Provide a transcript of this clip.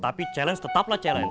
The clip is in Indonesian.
tapi challenge tetaplah challenge